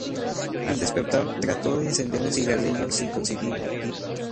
Al despertar trató de encender un cigarrillo sin conseguirlo.